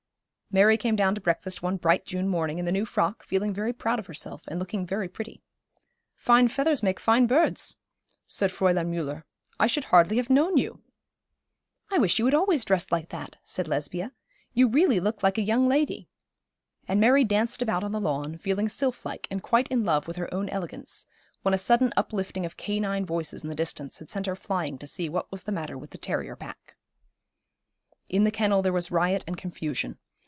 Mary came down to breakfast one bright June morning, in the new frock, feeling very proud of herself, and looking very pretty. 'Fine feathers make fine birds,' said Fräulein Müller. 'I should hardly have known you.' 'I wish you would always dress like that,' said Lesbia; 'you really look like a young lady;' and Mary danced about on the lawn, feeling sylph like, and quite in love with her own elegance, when a sudden uplifting of canine voices in the distance had sent her flying to see what was the matter with the terrier pack. In the kennel there was riot and confusion.